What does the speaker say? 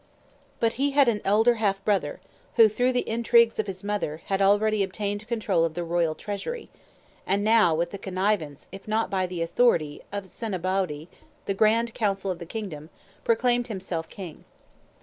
] But he had an elder half brother, who, through the intrigues of his mother, had already obtained control of the royal treasury, and now, with the connivance, if not by the authority, of the Senabawdee, the Grand Council of the kingdom, proclaimed himself king.